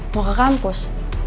mau ke kampus